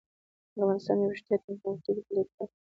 افغانستان د یوریشیا تکتونیک پلیټ برخه ده